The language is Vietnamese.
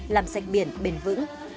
làm sạch biển bền vững